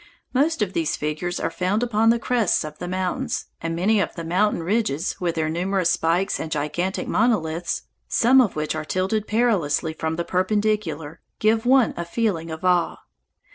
Most of these figures are found upon the crests of the mountains, and many of the mountain ridges, with their numerous spikes and gigantic monoliths, some of which are tilted perilously from the perpendicular, give one a feeling of awe.